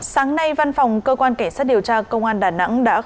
sáng nay văn phòng cơ quan kẻ sát điều tra công an đà nẵng đã khởi động một bộ phòng